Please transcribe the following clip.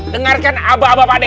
dengarkan aba aba pak de